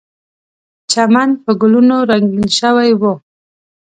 چمن په ګلونو رنګین شوی و.